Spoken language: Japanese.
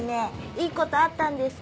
いいことあったんですか？